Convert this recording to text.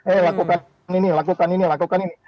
eh lakukan ini lakukan ini lakukan ini